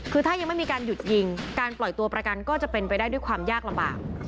คือถ้ายังไม่มีการหยุดยิงการปล่อยตัวประกันก็จะเป็นไปได้ด้วยความยากลำบาก